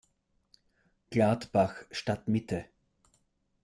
Gladbach Stadtmitte".